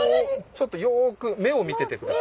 ちょっとよく目を見ててください。